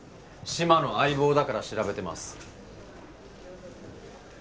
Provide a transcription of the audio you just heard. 志摩の相棒だから調べてます